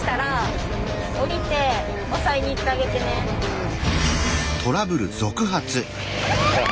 うん。